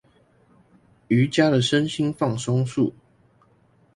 瑜珈的身心放鬆術